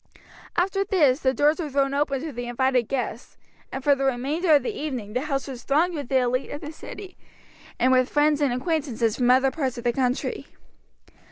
After this the doors were thrown open to the invited guests, and for the remainder of the evening the house was thronged with the elite of the city, and with friends and acquaintances from other parts of the country.